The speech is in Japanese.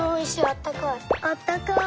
あったかい。